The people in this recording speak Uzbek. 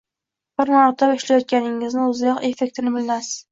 Bir marotaba ishlatganingizni õzidayoq effektini bilinasiz